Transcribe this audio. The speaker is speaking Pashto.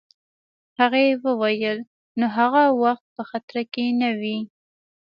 هغې وویل: نو هغه وخت په خطره کي نه وې؟